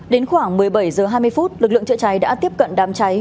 đến khoảng một mươi bảy h hai mươi phút lực lượng chữa cháy đã tiếp cận đám cháy